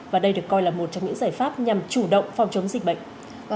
và đây được coi là một trong những giải pháp nhằm chủ động phòng chống dịch bệnh